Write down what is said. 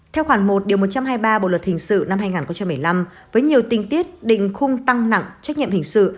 theo khoản một một trăm hai mươi ba bộ luật hình sự năm hai nghìn một mươi năm với nhiều tinh tiết định khung tăng nặng trách nhiệm hình sự